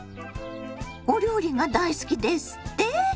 お料理が大好きですって？